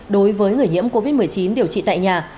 đối với người nhiễm covid một mươi chín điều trị tại nhà